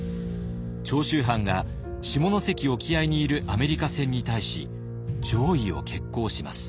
長州藩が下関沖合にいるアメリカ船に対し攘夷を決行します。